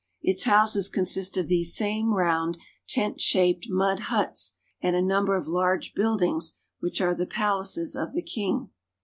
Its houses consist of these same round, tent shaped mud huts and a number of large buildings which are the palaces of the king.